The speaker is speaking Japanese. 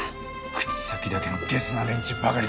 口先だけのゲスな連中ばかりだ。